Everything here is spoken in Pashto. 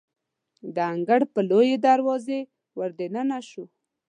د انګړ په لویې دروازې وردننه شوو.